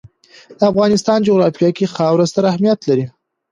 د افغانستان جغرافیه کې خاوره ستر اهمیت لري.